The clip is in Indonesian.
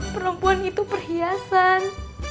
perempuan itu perhiasan